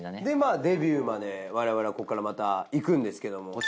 でまあデビューまで我々ここからまた行くんですけれども。